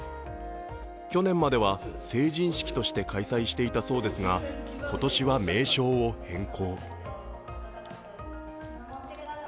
去年までは成人式として開催していたそうですが、今年は名称を変更。